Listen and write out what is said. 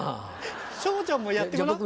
昇ちゃんもやってごらん。